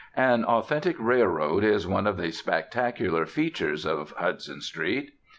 An authentic railroad is one of the spectacular features of Hudson Street.